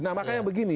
nah makanya begini